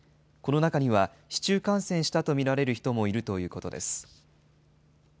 この中には、市中感染したと見られる人もいるということです。